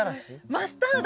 マスタード。